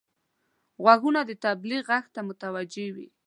غوږونه د تبلیغ غږ ته متوجه وي